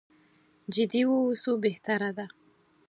جدي واوسو بهتره ده.